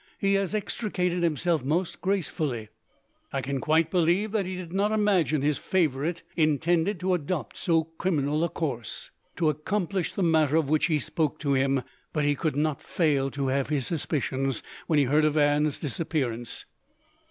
He has extricated himself most gracefully. I can quite believe that he did not imagine his favourite intended to adopt so criminal a course, to accomplish the matter of which he spoke to him, but he could not fail to have his suspicions, when he heard of Anne's disappearance.